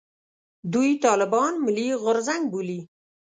دوی طالبان «ملي غورځنګ» بولي.